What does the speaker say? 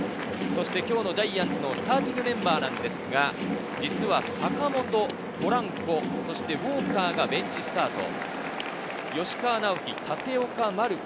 今日のジャイアンツのスターティングメンバーですが、実は坂本、ポランコ、ウォーカーがベンチスタート。